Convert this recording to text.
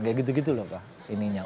kayak gitu gitu loh pak ininya